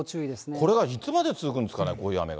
これはいつまで続くんですかね、こういう雨が。